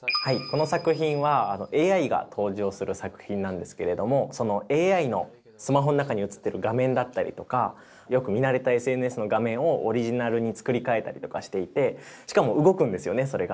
この作品はＡＩが登場する作品なんですけれどもそのＡＩのスマホの中に映ってる画面だったりとかよく見慣れたＳＮＳの画面をオリジナルに作り替えたりとかしていてしかも動くんですよねそれが。